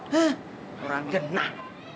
huh orang genah